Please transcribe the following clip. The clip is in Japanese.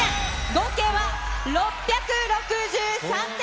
合計は６６３点。